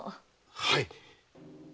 はい！